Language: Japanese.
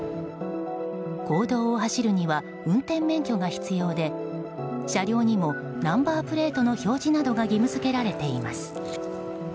公道を走るには運転免許が必要で車両にもナンバープレートの表示などが義務付けられています。